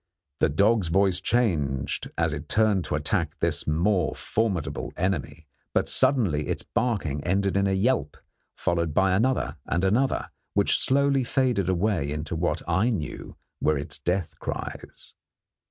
The dog's voice changed as it turned to attack this more formidable enemy, but suddenly its barking ended in a yelp, followed by another and another, which slowly faded away into what I knew were its death cries.